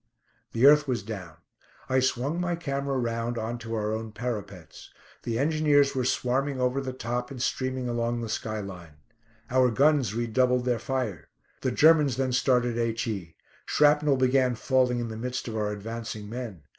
The earth was down. I swung my camera round on to our own parapets. The engineers were swarming over the top, and streaming along the sky line. Our guns redoubled their fire. The Germans then started H.E. Shrapnel began falling in the midst of our advancing men.